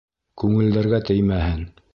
Күңелдәргә теймәһен.